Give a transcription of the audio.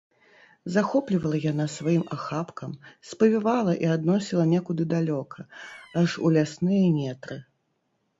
Захоплівала яна сваім ахапкам, спавівала і адносіла некуды далёка, аж у лясныя нетры.